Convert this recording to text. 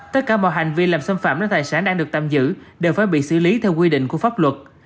tất cả mọi hành vi làm xâm phạm đến tài sản đang được tạm giữ đều phải bị xử lý theo quy định của pháp luật